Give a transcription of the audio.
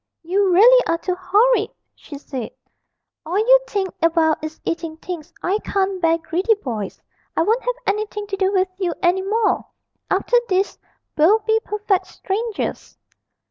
'You really are too horrid,' she said; 'all you think about is eating things. I can't bear greedy boys. I won't have anything to do with you any more; after this we'll be perfect strangers.'